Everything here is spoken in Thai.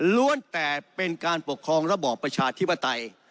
แต่เป็นการปกครองระบอบประชาธิปไตย